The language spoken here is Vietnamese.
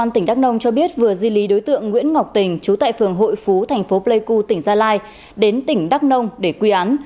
tình đắc nông cho biết vừa di lý đối tượng nguyễn ngọc tình chú tại phường hội phú thành phố pleiku tỉnh gia lai đến tỉnh đắc nông để quy án